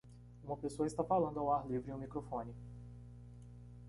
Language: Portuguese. Uma pessoa está falando ao ar livre em um microfone.